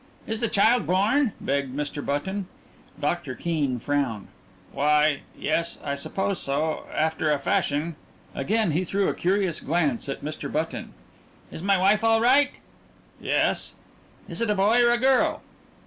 "Is the child born?" begged Mr. Button. Doctor Keene frowned. "Why, yes, I suppose so after a fashion." Again he threw a curious glance at Mr. Button. "Is my wife all right?" "Yes." "Is it a boy or a girl?"